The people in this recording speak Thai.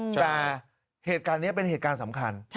แต่เหตุการณ์นี้เป็นเหตุการณ์สำคัญ